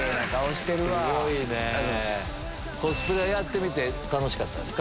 コスプレやってみて楽しかったですか？